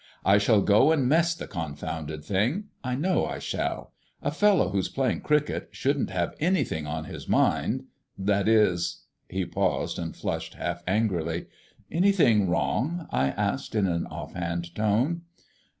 "I shall go and mess the confounded thing, I know I shall. A fellow who's playing cricket shouldn't have anything on his mind that is " He paused, and flushed half angrily. "Anything wrong?" I asked in an offhand tone.